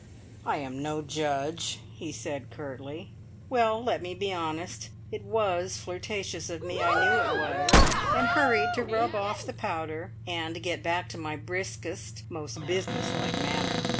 "I am no judge," he said curtly. Well, let me be honest! It was flirtatious of me, I knew it was, and hurried to rub off the powder, and get back to my briskest, most business like manner.